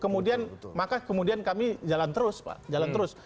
kemudian maka kemudian kami jalan terus pak jalan terus